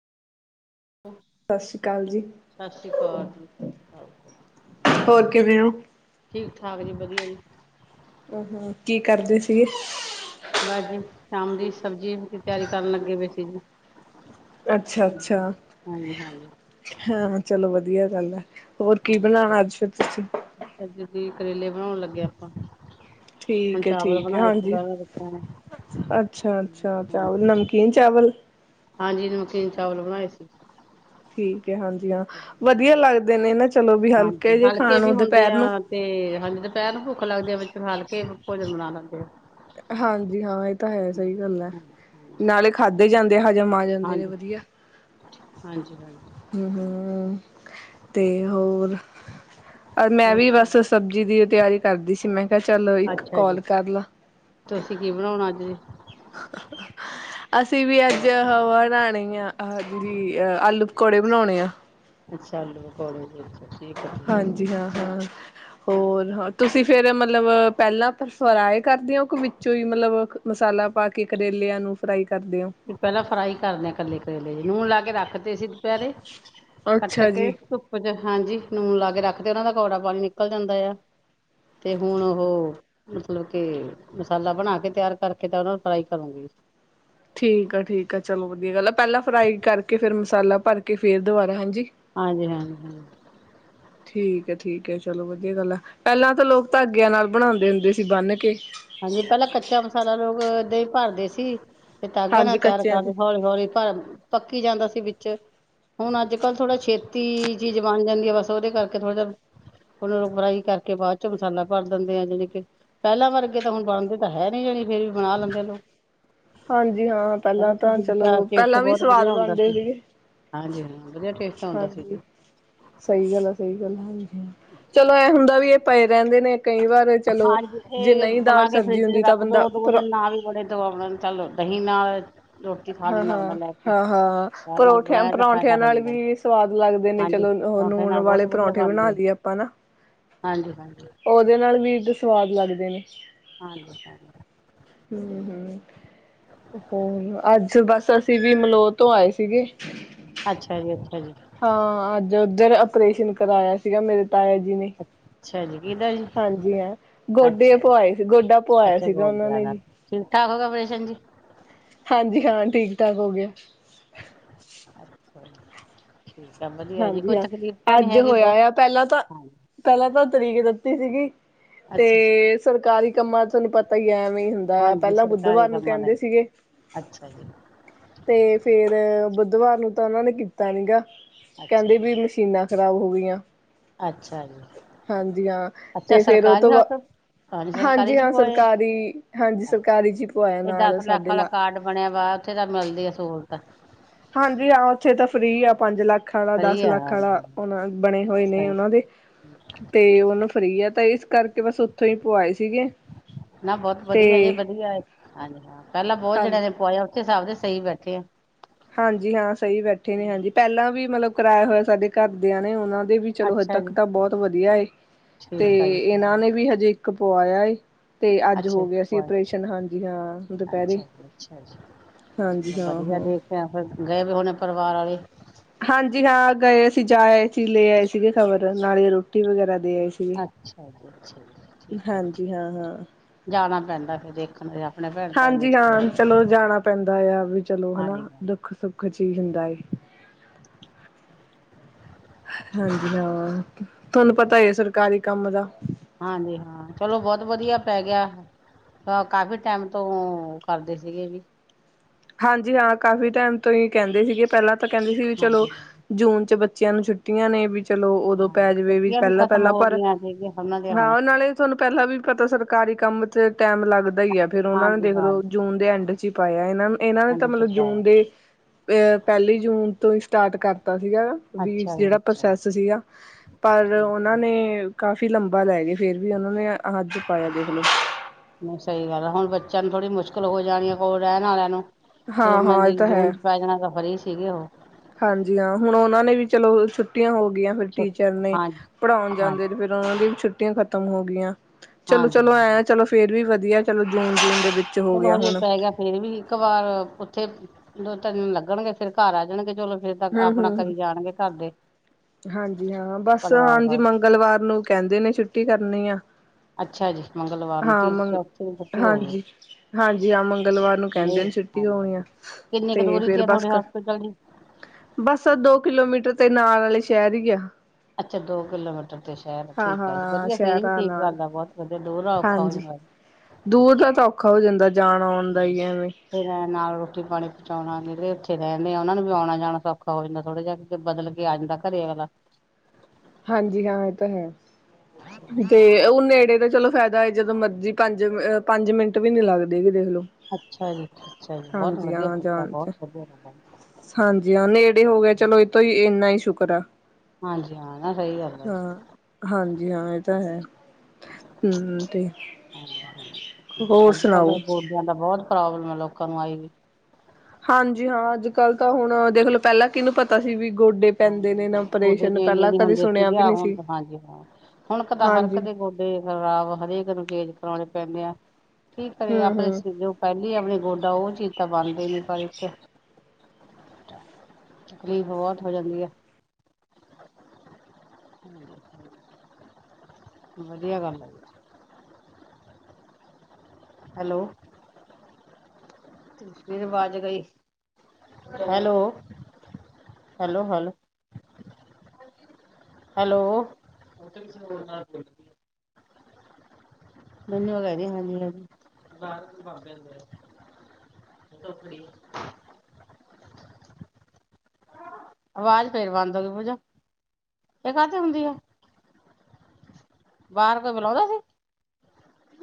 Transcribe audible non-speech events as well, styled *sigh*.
Hello, ਸਤਿ ਸ਼੍ਰੀ ਅਕਾਲ ਜੀ। ਸਸ ਸੀ ਕਾਲ ਜੀ। ਹੋਰ ਕਿਵੇਂ ਓ? ਠੀਕ ਠਾਕ ਜੀ ਵਧੀਆ ਜੀ। ਹੂੰ ਹੂੰ, ਕੀ ਕਰਦੇ ਸੀਗੇ? ਬਸ ਜੀ ਸ਼ਾਮ ਦੀ ਸਬਜ਼ੀ ਦੀ ਤਿਆਰੀ ਕਰਨ ਲੱਗੇ ਪਏ ਸੀ ਜੀ। ਅੱਛਾ ਅੱਛਾ। ਹਾਂਜੀ ਹਾਂਜੀ ਹਾਂਜੀ ਹਾਂ ਚਲੋ ਵਧੀਆ ਗੱਲ ਐ, ਹੋਰ ਕੀ ਬਣਾਣਾ ਅੱਜ ਫਿਰ ਤੁਸੀਂ? ਅੱਜ ਅਸੀਂ ਕਰੇਲੇ ਬਨਾਉਣ ਲੱਗੇ ਆਪਾਂ। ਹੁਣ ਠੀਕ ਐ ਚਾਵਲ ਠੀਕ ਐ ਬਣਾਏ ਸੀ ਹਾਂਜੀ, ਪਹਿਲਾਂ ਬੱਚਿਆਂ ਨੇ ਅੱਛਾ ਅੱਛਾ ਚਾਵਲ ਨਮ ਹਾਂਜੀ। ਕੀਨ ਚਾਵਲ? ਹਾਂਜੀ ਨਮਕੀਨ ਚਾਵਲ ਬਣਾਏ ਸੀ। ਠੀਕ ਐ ਹਾਂਜੀ ਹਾਂ ਵਧੀਆ ਲੱਗਦੇ ਨੇ ਨਾ ਚਲੋ ਵੀ ਹਾਂਜੀ ਹਲਕੇ ਜੇ ਖਾਣ ਵੀ ਨੂੰ ਹੁੰਦੇ ਦੁਪੈਰ ਆ ਨੂੰ। ਤੇ ਹਾਂਜੀ ਦੁਪੈਰ ਨੂੰ ਭੁੱਖ ਲੱਗਦੀ ਆ ਵਿੱਚ ਹਲਕੇ ਭੋਜਨ ਬਣਾ ਲੈਂਦੇ ਆ। ਹਾਂਜੀ ਹਾਂ ਏ ਤਾਂ ਹੈ ਸਈ ਗੱਲ ਐ, ਨਾਲੇ ਖਾਧੇ ਜਾਂਦੇ ਹਜ਼ਮ ਆ ਜਾਂਦੇ ਨੇ ਹਾਂਜੀ, ਵਧੀਆ। ਹਾਂਜੀ ਹਾਂਜੀ। ਹੂੰ ਹੂੰ ਤੇ ਹੋਰ? ਮੈਂ ਹੋਰ ਵੀ ਬਸ ਸਬਜ਼ੀ ਦੀ ਤਿਆਰੀ ਕਰਦੀ ਸੀ ਮੈਂ ਕਿਆ ਚਲ ਇੱਕ ਅੱਛਾ ਜੀ ਕੋਲ ਕਰਲਾ। ਤੁਸੀਂ ਕੀ ਬਣਾਉਣਾ ਅੱਜ ਜੀ? *unintelligible* ਅਸੀਂ ਵੀ ਅੱਜ ਓ ਬਣਾਣੀ ਆ ਆ ਜਿਹੜੀ ਅਹ ਆਲੂ, ਪਕੌੜੇ ਬਣਾਉਣੇ ਆ। ਅੱਛਾ ਆਲੂ, ਪਕੌੜੇ ਜੀ ਅੱਛਾ। ਹਾਂਜੀ ਹਾਂ ਹਾਂ, ਹੋਰ ਤੁਸੀਂ ਫੇਰ ਮਤ ਲਬ ਪੈਲਾਂ ਆਪ ਫਰਾਈ ਕਰਦੇ ਓ ਕਿ ਵਿੱਚੋਂ ਈ ਮਤਲਬ ਮਸਾਲਾ ਪਾ ਕੇ ਕਰੇਲਿਆਂ ਨੂੰ ਫਰਾਈ ਕਰਦੇ ਓ? ਪੈਲਾਂ ਫਰਾਈ ਕਰਦੇ ਆ ਕੱਲੇ ਕਰੇਲੇ ਨੂੰ ਲੂਣ ਲਾ ਕੇ ਰੱ ਰੱਖਤੇ ਤੇ ਸੀ ਦੁਪੈਰੇ, ਕੱਟ ਅੱਛਾ ਕੇ ਜੀ। ਧੁੱ ਧੁੱਪ ਚ ਹਾਂਜੀ ਲੂਣ ਲਾ ਕੇ ਰੱਖਤੇ ਓਨਾਂ ਦਾ ਕੌੜਾ ਪਾਣੀ ਨਿਕਲ ਜਾਂਦਾ ਆ। ਤੇ ਹੁਣ ਓਹ ਮਤਲਬ ਕੇ ਮਸਾਲਾ ਬਣਾ ਕੇ ਤਿਆਰ ਕਰਕੇ ਤਾਂ ਉਨਾਂ ਨੂੰ ਫਰਾਈ ਕਰੂੰਗੀ। ਠੀਕ ਆ ਠੀਕ ਆ ਚਲੋ ਵਧੀਆ ਗੱਲ ਆ ਪੈਲਾਂ ਫਰਾਈ ਕਰਕੇ ਫਿਰ ਮਸਾਲਾ ਭਰ ਕੇ ਫੇਰ ਦੁਬਾਰਾ ਹਾਂਜੀ। ਹਾਂਜੀ ਹਾਂਜੀ ਹਾਂਜੀ। *inaudible* ਠੀਕ ਐ ਠੀਕ ਐ ਚਲੋ ਵਧੀਆ ਗੱਲ ਐ, ਪੈਲਾਂ ਤਾਂ ਲੋਕ ਧਾਗਿਆਂ ਨਾਲ ਬਣਾਂਦੇ ਹੁੰਦੇ ਸੀ ਬੰਨ ਕੇ। ਹਾਂਜੀ, ਪੈਲਾਂ ਕੱਚਾ ਮਸਾਲਾ ਲੋਕ ਏਦਾਂ ਈ ਭਰਦੇ ਸੀ। ਤੇ ਧਾਗਾ ਹਾਂਜੀ ਨਾਲ ਤਿਆਰ ਕੱਚਿਆਂ ਦੀ ਕਰਦੇ, ਹੌਲੀ-ਹੌਲੀ ਪਰ ਪੱਕੀ ਜਾਂਦਾ ਸੀ ਵਿੱਚ। ਹੁਣ ਅੱਜ ਕੱਲ੍ਹ ਥੋੜਾ ਛੇਤੀ ਚੀਜ਼ ਬਣ ਜਾਂਦੀ ਐ ਬਸ ਓਦੇ ਕਰਕੇ ਥੋੜ੍ਹਾ ਜਾ ਓਨਾਂ ਨੂੰ ਫਰਾਈ ਕਰਕੇ ਬਾਦ ਚ ਮਸਾਲਾ ਭਰ ਦਿੰਦੇ ਆ ਜਾਣੀ ਕੇ ਪੈਲਾਂ ਵਰ ਵਰਗੇ ਤਾਂ ਹੁਣ ਬਣਦੇ ਤਾਂ ਹੈ ਨੀ ਜਾਣੀ ਫੇਰ ਵੀ ਬਣਾ ਲੈਂਦੇ ਲੋਕ। ਹਾਂਜੀ ਹਾਂ ਪੈਲਾਂ ਪਹਿਲਾਂ ਤਾਂ ਚੀਜ਼ ਦਾ ਚਲੋ ਟੇਸਟ ਪਹਿਲਾਂ ਵੀ ਬਹੁਤ ਸਵਾਦ ਵਧੀਆ ਹੁੰਦਾ ਬਣਦੇ ਸੀ। ਸੀਗੇ। ਹਾਂਜੀ ਹਾਂ ਵਧੀਆ ਟੇਸਟ ਆਉਂਦਾ ਸੀ ਜੀ। ਸਈ ਗੱਲ ਆ ਸਈ ਗੱਲ ਆ ਹਾਂਜੀ, ਚਲੋ ਐ ਹੁੰਦਾ ਵੀ ਏ ਪਏ ਰੈਂਦੇ ਨੇ ਕਈ ਵਾਰ। ਚਲੋ ਹਾਂਜੀ ਜੇ ਏ ਨਹੀਂ ਬਨਾ ਦਾਲ ਕੇ ਸਬਜ਼ੀ ਫਰਿੱਜ ਹੁੰਦੀ 'ਚ ਤਾਂ ਰੱਖ ਬੰਦਾ ਦੋ, ਦੋ ਪਰ ਦਿਨ ਨਾ ਵੀ ਵੜੇ ਤੋ *unintelligible* ਨੂੰ ਤਲ ਲੋ ਦਹੀਂ ਨਾਲ ਰੋਟੀ ਖਾ ਹਾਂ- ਲੈਂਦਾ ਬੰਦਾ ਹਾਂ ਲੈ ਕੇ ਹਾਂ- ਹਾਂ ਚਾਹ ਨਾਲ ਪਰੌਂਠਿਆਂ ਬਣਾਇਆ ਤਾਂ ਫਾਇਦਾ -ਪਰੌਂਠਿਆਂ ਹੋ ਨਾਲ ਜਾਂਦਾ ਹੈ ਵੀ ਸਵਾਦ ਲੱਗਦੇ ਨੇ ਹਾਂਜੀ ਚਲੋ ਓ ਪਰੌਂਠੇ ਨੂਣ ਨਾਲ ਵਾਲੇ ਬਹੁਤ ਵਧੀਆ ਪਰੌਂਠੇ ਬਣਾ ਬਣਦੇ ਲੀਏ ਆਪਾਂ ਨਾ। ਹਾਂਜੀ ਹਾਂਜੀ ਓਦੇ ਨਾਲ ਵੀ ਤੇ ਸਵਾਦ ਲੱਗਦੇ ਨੇ। ਹਾਂਜੀ ਹਾਂਜੀ ਹੂੰ ਹੂੰ ਹੋ ਆ ਅੱਜ ਬਸ ਅਸੀ ਵੀ ਮਲੋਰ ਤੋ ਆਏ ਸੀਗੇ। ਅੱਛਾ ਜੀ- ਅੱਛਾ ਜੀ। ਹਾਂ ਅੱਜ ਓਧਰ ਆਪਰੇਸ਼ਨ ਕਰਾਇਆ ਸੀਗਾ ਮੇਰੇ ਤਾਇਆ ਜੀ ਨੇ। ਅੱਛਾ ਜੀ ਕਿਹਦਾ ਜੀ ਹਾਂਜੀ ਹੈਂ ਗੋਡੇ ਅੱਛਾ ਪੁਆਏ ਸੀ, ਗੋਡਾ ਪੁਆਇਆ ਅੱਛਾ ਸੀਗਾ ਓਨਾਂ ਗੋਡਿਆਂ ਨੇ ਦਾ ਜੀ। ਠੀਕ ਠਾਕ ਹੋ ਗਿਆ ਪਰੇਸ਼ਨ ਜੀ? ਹਾਂਜੀ- ਹਾਂ, ਠੀਕ -ਠਾਕ ਹੋ ਗਿਆ। ਅੱਛਾ ਠੀਕ ਆ ਵਧੀਆ ਜੀ। ਹਾਂਜੀ ਕੋਈ ਹਾਂ ਤਕਲੀਫ਼ ਤਾਂ ਨੀ ਹੈਗੀ ਬੋਤ ਹਾਂਜੀ ਪੈਲਾਂ ਤਾਂ ਤਰੀਕ ਦਿੱਤੀ ਸੀਗੀ ਤੇ ਅੱਛਾ ਜੀ, ਸਰਕਾਰੀ ਕੰਮਾਂ 'ਚ ਥਾਨੂੰ ਪਤਾ ਈ ਐ ਐਵੇਂ ਈ ਹੁੰਦ ਆ ਹਾਂਜੀ ਪੈਲਾਂ ਸਰਕਾਰੀ ਬੁੱਧਵਾਰ ਨੂੰ ਕੰਮਾਂ ਦਾ ਕੈਂਦੇ ਸੀਗੇ ਅੱਛਾ ਜੀ ਤੇ ਫੇਰ ਬੁੱਧਵਾਰ ਨੂੰ ਤਾ ਓਨਾਂ ਨੇ ਕੀਤਾ ਨੀ ਗਾ। ਅੱਛਾ ਕੈਂਦੇ ਵੀ ਮਸ਼ੀਨਾਂ ਖ਼ਰਾਬ ਹੋ ਗੀਆਂ। ਅੱਛਾ ਜੀ ਹਾਂਜੀ- ਹਾਂ ਅੱਛਾ ਤੇ ਫੇਰ ਓ ਸਰਕਾਰੀ ਤੋ ਬਾ ਹੋਸਪਿਟਲ ਸਰਕਾਰੀ ਹਾਂਜੀ ਚ ਹਾਂ ਪਵਾਏ ਸਰਕਾਰੀ, ਹਾਂਜੀ ਸਰਕਾਰੀ ਅੱਛਾ ਚੀ ਪੁਆਇਆ ਨਾਲ ਸਾਡੇ ਲਾ ਓਥੇ ਤਾ ਮਿਲਦੀ ਆ ਸਹੂਲਤ। ਹਾਂਜੀ -ਹਾਂ ਓਥੇ ਤਾ ਫ੍ਰੀ ਆ ਪੰਜ ਲੱਖ ਖਾਣਾ ਫਰੀ ਦਸ ਆ ਲੱਖ ਹਾਂਜੀ ਆਲਾ ਹਾਂਜੀ ਓਨਾਂ ਬਣੇ ਹੋਏ ਨੇ ਸਹੀ ਓਨਾਂ ਦੇ ਤੇ ਓਨੂੰ ਫ੍ਰੀ ਆ ਤਾ ਏਸ ਕਰਕੇ ਬਸ ਓਥੋਂ ਈ ਪੁਆਏ ਸੀਗੇ ਨਾ ਬਹੁਤ ਤੇ ਵਧੀਆ ਜੀ ਵਧੀਆ ਹਾਂਜੀ -ਹਾਂ ਪੈਲਾਂ ਬੌਤ ਜਣਿਆਂ ਹਾਂਜੀ ਨੇ ਪੁਆ ਲੇ ਓਥੇ ਸਭ ਦੇ ਸ‌ਈ ਬੈਠੇ ਆ। ਹਾਂਜੀ ਹਾਂ, ਸ‌ਈ ਬੈਠੇ ਨੇ ਹਾਂਜੀ ਪੈਲਾਂ ਵੀ ਮਲਬ ਕਰਾਇਆ ਹੋਇਆ ਸਾਡੇ ਘਰਦਿਆਂ ਨੇ ਓਨਾਂ ਦੇ ਵੀ ਚਲੋ ਹਲੇ ਅੱਛਾ ਤੱਕ ਜੀ ਤਾ ਬੋਤ ਵਧੀਆ ਏ ਤੇ ਠੀਕ ਆ ਜੀ ਏਨਾਂ ਨੇ ਵੀ ਹਜੇ ਇੱਕ ਪੁਆਇਆ ਏ। ਤੇ ਅੱਜ ਅੱਛਾ ਹੋ ਜੀ ਗਿਆ ਸੀ ਪਵਾਏ ਅਪਰੇਸ਼ਨ ਹਾਂਜੀ ਹਾਂ ਦੁਪੈਰੀ। ਅੱਛਾ ਜੀ ਅੱਛਾ ਜੀ ਹਾਂਜੀ, ਆਹੋ। ਯਾ ਫੇਰ ਗਏ ਵੇ ਹੋਣੇ ਪਰਿਵਾਰ ਆਲੇ? ਹਾਂਜੀ, ਹਾਂ ਗਏ ਸੀ ਜਾ ਆਏ ਸੀ ਲੈ ਆਏ ਸੀਗੇ ਖ਼ਬਰ ਨਾਲੇ ਰੋਟੀ ਵਗੈਰਾ ਦੇ ਆਏ ਸੀ। ਅੱਛਾ ਜੀ, ਅੱਛਾ ਜੀ ਠੀਕ ਐ ਜੀ, ਹਾਂਜੀ ਹਾਂ ਠੀਕ ਹਾਂ ਜਾਨਾ ਪੈਂਦਾ ਫੇਰ ਦੇਖਨ ਹਾਂਜੀ, ਹਾਂ ਚਲੋ ਜਾਣਾ ਪੈਂਦਾ ਆ ਵੀ ਚਲੋ ਹਨਾ ਹਾਂਜੀ ਹਾਂ ਦੁੱਖ -ਸੁੱਖ ਕੁਛ ਵੀ ਹੁੰਦਾ ਏ। ਹਾਂਜੀ ਹਾਂ ਤਾਨੂੰ ਪਤਾ ਈ ਏ ਸਰਕਾਰੀ ਕੰਮ ਦਾ। ਹਾਂਜੀ, ਹਾਂ ਚਲੋ ਬੌਤ ਵਧੀਆ ਪੈ ਗਿਆ। ਤੋ ਕਾਫੀ ਟੈਮ ਤੋਂ ਕਰਦੇ ਸੀਗੇ ਵੀ। ਹਾਂਜੀ, ਹਾਂ ਕਾਫ਼ੀ ਟੈਮ ਤੋ ਈ ਕੈਂਦੇ ਸੀਗੇ ਪੈਲਾਂ ਤਾਂ ਕੈਂਦੇ ਸੀ ਵੀ ਚਲੋ ਹਾਂਜੀ ਹਾਂਜੀ ਜੂਨ' ਚ ਬਚ ਚਿਆਂ ਨੂੰ ਛੁੱਟੀਆਂ ਨੇ ਵੀ ਚਲੋ ਓਦੋਂ ਪੈ ਹਾਂਜੀ ਜਵੇ ਵੀ ਛੁੱਟੀਆਂ ਪੈਲਾ ਖਤਮ -ਪੈਲਾ ਹੋ ਪਰ ਗਈਆਂ ਸੀਗੀਆਂ ਉਹਨਾਂ ਦੀਆਂ ਹਾਂ ਹੁਣ ਓ ਨਾਲੇ ਤਾਨੂੰ ਪੈਲਾਂ ਵੀ ਪਤਾ ਸਰਕਾਰੀ ਕੰਮ 'ਚ ਟੈਮ ਲੱਗਦਾ ਈ ਆ ਫੇਰ ਓਨਾਂ ਨੇ ਹਾਂਜੀ ਦੇਖਲੋ ਹਾਂਜੀ ਹਾਂਜੀ ਜੂਨ ਦੇ ਐਂਡ 'ਚੀ ਪਾਇਆ। ਏਨਾਂ, ਏਨਾਂ ਨੇ ਤਾ ਅੰਡਰ ਚ ਮਲਬ ਜੂਨ ਪਾਇਆ ਦੇ ਅ ਪੈਲੀ ਜੂਨ ਤੋ ਈ ਸਟਾਰਟ ਕਰਤਾ ਸੀਗਾ ਨਾ ਵੀਸ ਅੱਛਾ ਜੀ ਜੇੜਾ ਅੱਛਾ ਜੀ ਪ੍ਰੋਸੈਸ ਸੀਗਾ। ਪਰ ਠੀਕ ਹੈ ਓਨਾਂ ਨੇ ਕਾਫ਼ੀ ਲੰਬਾ ਲੈ ਗੇ ਫੇਰ ਵੀ ਓਨਾਂ ਨੇ ਅੱਜ ਪਾਇਆ ਦੇਖਲੋ। ਨਈ ਸ‌ਈ ਗੱਲ ਹੈ। ਹੁਣ ਬੱਚਿਆਂ ਨੂੰ ਥੋੜੀ ਮੁਸ਼ਕਿਲ ਹੋ ਜਾਣੀ ਆ ਕੋਲ ਰੈਣ ਆਲੇ ਨੂੰ। ਸੂਰ ਹਾਂ ਹਾਂ ਇਹ ਮਈ, ਤਾਂ ਜੂਨ ਹੈ 'ਚ ਪੈ ਜਾਣਾ ਤਾਂ ਫਰੀ ਸੀਗੇ ਉਹ ਹਾਂਜੀ ਹਾਂ ਹੁਣ ਉਹਨਾਂ ਨੇ ਵੀ ਚਲੋ ਛੁੱਟੀਆਂ ਹੋ ਗਈਆਂ, ਫੇਰ ਛੁ ਟੀਚਰ ਨੇ ਹਾਂਜੀ ਪੜ੍ਹਾਉਣ ਹਾਂਜੀ ਜਾਂਦੇ ਨੇ ਫਿਰ ਨਨਾਣ ਦੀਆਂ ਛੁੱਟੀਆਂ ਖਤਮ ਹੋ ਗਈਆਂ, ਚਲੋ- ਹਾਂਜੀ ਚਲੋ ਹਾਂਜੀ ਐਂ ਚਲੋ ਫਿਰ ਵੀ ਵਧੀਆ ਚਲੋ, ਜੂਨ- ਜੂਨ ਦੇ ਵਿੱਚ ਹੋ ਗਿਆ ਹੁਨ ਫਿਰ ਵੀ ਇੱਕ ਵਾਰ ਉੱਥੇ ਦੋ- ਤਿੰਨ ਦਿਨ ਲੱਗਣਗੇ, ਫੇਰ ਘਰ ਆ ਜਾਣਗੇ, ਚਲੋ ਫਿਰ ਤਦ ਹੂੰ ਆਪਣਾ ਹੂੰ ਹੂੰ ਕਹੀ ਜਾਣਗੇ ਘਰ ਦੇ ਹਾਂਜੀ ਹਾਂ, ਬਸ ਪਰਿਵਾਰ ਹਾਂਜੀ ਵੱਲ ਮੰਗਲਵਾਰ ਨੂੰ ਕਹਿੰਦੇ ਨੇ ਛੁੱਟੀ ਕਰਨੀ ਆ ਅੱਛਾ ਜੀ ਮੰਗਲਵਾਰ ਨੂੰ ਹਾਂ ਤੀਸਰੇ ਮੰਗ, ਚੌਥੇ ਦਿਨ ਛੁੱਟੀ ਹੋਊਗੀ ਹਾਂਜੀ- ਹਾਂਜੀ। ਹਾਂ ਮੰਗਲਵਾਰ ਨੂੰ ਨਹੀਂ ਕਹਿੰਦੇ ਸੀ ਛੁੱਟੀਆਂ ਹਾਂਜੀ ਹੋਣੀਆ, ਹਾਂਜੀ ਕਿੰਨੀ ਕੁ ਤੇ ਦੂਰੀ ਫੇਰ ਆ ਬਸ ਤੁਹਾਡੇ ਕਰ ਹੋਸਪਿਟਲ ਦੀ ਬਸ ਦੋ ਕਿਲੋਮੀਟਰ ਤੇ ਨਾਲ ਵਾਲੇ ਸ਼ਹਿਰ ਹੀ ਗਿਆ ਅੱਛਾ ਦੋ ਕਿਲੋਮੀਟਰ ਤੇ ਸ਼ਹਿਰ ਹਾਂ ਠੀਕ ਆ ਜੀ, ਹਾਂ ਵਧੀਆ ਫਿਰ ਵੀ ਸ਼ਹਿਰਾਂ ਠੀਕ ਨਾਲ ਗੱਲ ਆ ਬਹੁਤ ਕਦੇ ਦੋਹਰਾ ਔਖਾ ਹੋ ਹਾਂਜੀ ਜਾਈਦਾ ਦੂਰ ਦਾ ਤਾਂ ਔਖਾ ਹੋ ਜਾਂਦਾ, ਜਾਣ-ਆਉਣ ਦਾ ਐਵੇਂ ਫਿਰ ਨਾਲ ਰੋਟੀ ਪਾਣੀ ਪਹੁੰਚਾਉਣਾ ਜਿਹੜੇ ਉੱਥੇ ਰਹਿੰਦੇ ਆ, ਉਹ ਨੂੰ ਵੀ ਆਉਣਾ ਜਾਣਾ ਸੌਖਾ ਹੋ ਜਾਂਦਾ ਥੋੜੇ ਜਿਹਾ ਵੀ ਫਿਰ ਬਦਲ ਕੇ ਆ ਜਾਂਦਾ ਘਰੇ ਵਾਲਾ ਹਾਂਜੀ ਹਾਂ ਐਹ ਤਾਂ ਹੈ, ਤੇ ਉਹ ਨੇੜੇ ਦਾ ਚਲੋ ਫਾਇਦਾ ਹੈ ਜਦੋਂ ਮਰਜੀ ਜੀ ਪੰਜ -ਪੰਜ ਮਿੰਟ ਵੀ ਨੀ ਲੱਗਦੇ, ਜੀ ਦੇਖਲੋ। ਅੱਛਾ ਜੀ। ਅੱਛਾ ਜੀ। ਬਹੁਤ ਹਾਂਜੀ ਵਧੀਆ ਹਾਂ ਕੀਤਾ, ਜਾਣ ਚ ਬਹੁਤ ਵਧੀਆ ਰਹਿੰਦਾ ਆ ਹਾਂਜੀ। ਹਾਂ, ਨੇੜੇ ਹੋ ਗਿਆ ਚਲੋ ਇਹ ਤੋਂ ਹੀ, ਐਨਾ ਹੀ ਸ਼ੁਕਰ ਆ ਹਾਂਜੀ ‌ਹਾਂ, ਨਾ ਸਹੀ ਗੱਲ ਆ ਜੀ ਹਾਂ, ਹਾਂਜੀ ਹਾਂ। ਇਹ ਤੇ ਹੈ। ਹਮ ਤੇ ਹਾਂਜੀ ਹੋਰ ਸੁਣਾਓ? ਤੁਹਾਡਾ ਬਹੁਤ ਪ੍ਰੋਬਲਮ ਐ ਲੋਕਾਂ ਨੂੰ ਆਈ ਵੀ ਹਾਂਜੀ। ਹਾਂ, ਅੱਜ- ਕੱਲ ਤਾਂ ਹੁਣ ਦੇਖ ਲਓ ਪਹਿਲਾਂ ਕੀਹਨੂੰ ਪਤਾ ਸੀ ਵੀ ਗੋਡੇ ਪੈਂਦੇ ਨੇ ਨਾ ਹਾਂਜੀ ਗੋਡੇ ਓਪਰੇਸ਼ਨ ਚੇੰਜ ਪਹਿਲਾਂ ਨੀ ਕਦੇ ਹੁੰਦੇ ਸੁਣਿਆ ਸੀਗੇ, ਵੀ ਨਹੀਂ ਹੁਣ ਸੀ ਹਾਂਜੀ ਹਾਂ, ਹੁਣ ਤਾਂ ਹਰ ਇਕ ਹਾਂਜੀ ਦੇ ਗੋਡੇ ਸਰੀਰ ਖਰਾਬ ਹਰੇਕ ਨੂੰ ਚੇਂਜ ਕਰਾਉਣੇ ਪੈਂਦੇ ਆ, ਕੀ ਕਰੇ ਹੂੰ ਆਪਣੇ ਹੂੰ ਸੀਜੋ ਪਹਿਲੀ ਆਪਣੇ ਗੋਡਾ ਉਹ ਚੀਜ਼ ਤਾਂ ਬਣਦੀ ਨੀ, ਪਰ ਇੱਕ ਤਕਲੀਫ ਬਹੁਤ ਹੋ ਜਾਂਦੀ ਆ ਹਮਮ ਵਧੀਆ ਗੱਲ ਐ। ਹੈਲੋ। ਫਿਰ, ਫੇਰ ਆਵਾਜ਼ ਗਈ ਹੈਲੋ, ਹੈਲੋ- ਹੈਲੋ। ਹੈਲੋ। ਮੈਂਨੂੰ ਕਹਿੰਦੀ ਮਲੀਆ ਦੀ, ਜਾ ਤੂੰ ਬਾਬਿਆਂ ਨੂੰ ਦੇ ਆ ਟੋਕਰੀ ਆਵਾਜ਼ ਫਿਰ ਬੰਦ ਹੋ ਗਈ ਪੂਜਾ, ਇਹ ਕਾਹਤੇ ਹੁੰਦੀ ਆ ਬਾਹਰ ਕੋਈ ਬੁਲਾਉਂਦਾ ਸੀ